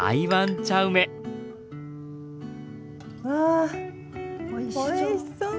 うわおいしそう。